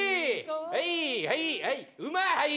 はいはいはいウマはい。